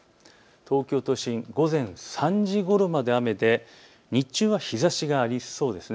東京都心、午前３時ごろまで雨で日中は日ざしがありそうです。